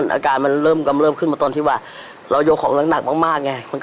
แล้วพอไปเลี้ยงยายแแ